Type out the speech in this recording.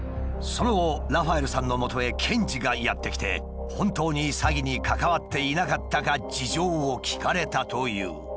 その後ラファエルさんのもとへ検事がやって来て本当に詐欺に関わっていなかったか事情を聞かれたという。